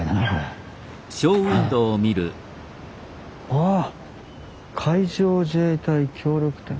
わあ海上自衛隊協力店。